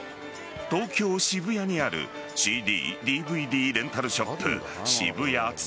東京・渋谷にあるＣＤ・ＤＶＤレンタルショップ